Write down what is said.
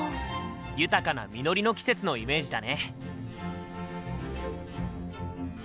「豊かな実りの季節」のイメージだね。